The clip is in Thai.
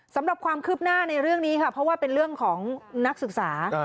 สำหรับความคืบหน้าในเรื่องนี้ค่ะเพราะว่าเป็นเรื่องของนักศึกษา